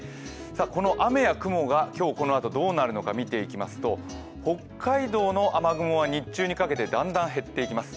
この雨や雲が今日このあとどうなるのか見ていきますと、北海道の雨雲は日中にかけてだんだん減っていきます。